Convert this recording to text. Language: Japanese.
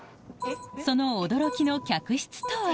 その驚きの客室とは？